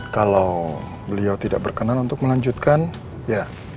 kalau beliau tidak berkenan untuk melanjutkan ya